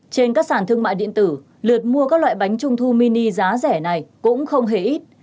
trên các sản thương mại điện tử lượt mua các loại bánh trung thu mini giá rẻ này cũng không hề ít